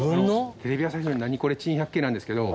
テレビ朝日の『ナニコレ珍百景』なんですけど。